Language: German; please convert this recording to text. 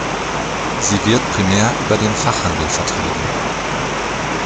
Sie wird primär über den Fachhandel vertrieben.